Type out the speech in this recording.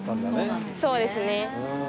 そうですね。